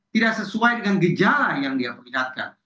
tidak sesuai dengan gejala yang dia perlihatkan